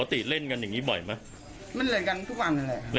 ปกติเล่นกันอย่างงี้บ่อยไหมมันเล่นกันทุกวันเลยครับ